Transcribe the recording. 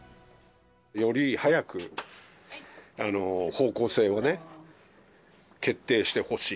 より早く方向性をね、決定してほしい。